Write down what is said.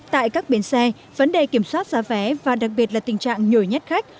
tại các bến xe vấn đề kiểm soát giá vé và đặc biệt là tình trạng nhồi nhét khách